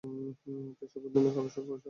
একটা শুভ দিনে কালো শার্ট পরেছ?